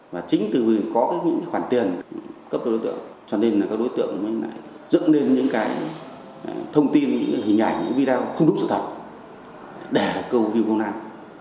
và chính từ có những khoản tiền cấp cho đối tượng cho nên là các đối tượng mới lại dựng lên những cái thông tin những hình ảnh những video không đúng sự thật để câu view công an